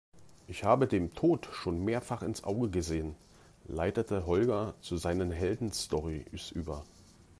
Ich habe dem Tod schon mehrfach ins Auge gesehen, leitete Holger zu seinen Heldenstorys über.